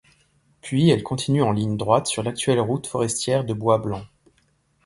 Puis elle continue en ligne droite sur l'actuelle route forestière de Bois Blanc.